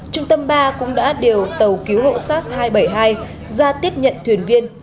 trung tâm ba cũng đã điều tàu cứu hộ sars hai trăm bảy mươi hai ra tiếp nhận thuyền viên